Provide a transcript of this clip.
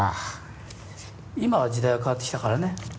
今は時代が変わってきたからね。